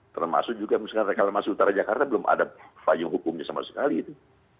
termasuk juga misalnya kalau masuk ke utara jakarta belum ada fayung hukumnya sama sekali itu